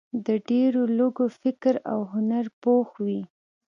د ډېرو لږو فکر او هنر پوخ وي.